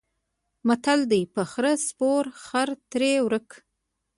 متل دی: په خره سپور خر ترې ورک.